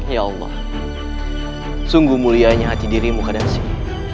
ya allah sungguh mulianya hati dirimu ke dasar